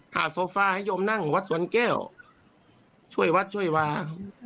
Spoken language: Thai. โซฟาให้โยมนั่งวัดสวนแก้วช่วยวัดช่วยวา